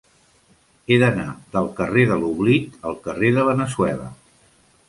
He d'anar del carrer de l'Oblit al carrer de Veneçuela.